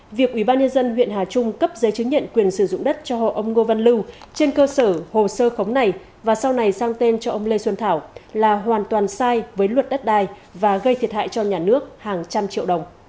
ngày một mươi năm tháng năm năm hai nghìn một mươi bốn ủy ban nhân dân huyện hà trung cấp giấy chứng nhận quyền sử dụng đất cho ông ngô văn lưu trên cơ sở hồ sơ khống này và sau này sang tên cho ông lê xuân thảo là hoàn toàn sai với luật đất đai và gây thiệt hại cho nhà nước hàng trăm triệu đồng